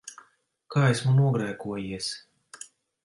Kā esmu nogrēkojies?